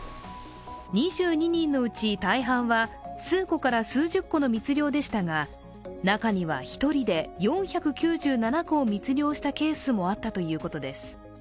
２２人のうち大半は数個から数十個の密漁でしたが中には１人で４９７個を密漁したケースもあったということです。